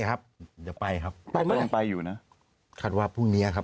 ก็แหนะครับต้องไปอยู่จะไปครับ